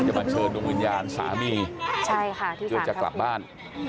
จะมาเชิญดุงวิญญาณสามีกับจะกลับบ้าน